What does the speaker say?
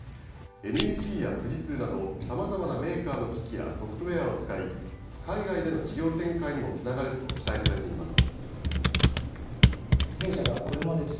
ＮＥＣや富士通などさまざまなメーカーの機器やソフトウエアを使い、海外での事業展開にもつながると期待されています。